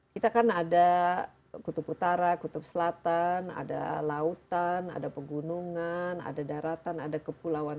kita kan ada kutub utara kutub selatan ada lautan ada pegunungan ada daratan ada kepulauan